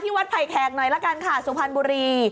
วัดไผ่แขกหน่อยละกันค่ะสุพรรณบุรี